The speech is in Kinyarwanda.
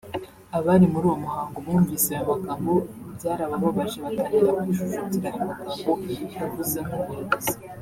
Abari muri uwo muhango bumvise ayo magambo byarababaje batangira kwijujutira ayo magambo yavuze nk’umuyobozi